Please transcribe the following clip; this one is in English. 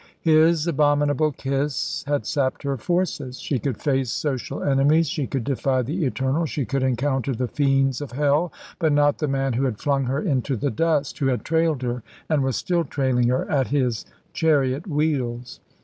His abominable kiss had sapped her forces. She could face social enemies, she could defy the Eternal, she could encounter the fiends of hell, but not the man who had flung her into the dust who had trailed her, and was still trailing her, at his chariot wheels.